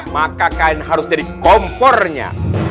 maka kain harus jadi kompornya